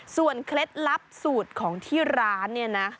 เคล็ดลับสูตรของที่ร้านเนี่ยนะ